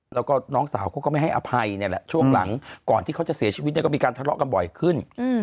แล้วก็น้องสาวเขาก็ไม่ให้อภัยเนี่ยแหละช่วงหลังก่อนที่เขาจะเสียชีวิตเนี่ยก็มีการทะเลาะกันบ่อยขึ้น